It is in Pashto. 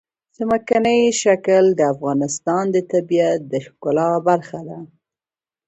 ځمکنی شکل د افغانستان د طبیعت د ښکلا برخه ده.